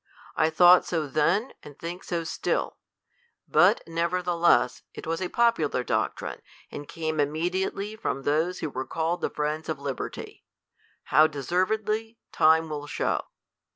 I tliought so then, and think so still : but novertheless, it was a popular doctrine, and came immeaialoly irom those who were .called the friends of liberty ; how de servedly, time will show.